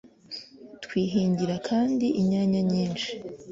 Twihingira kandi inyanya nyinshi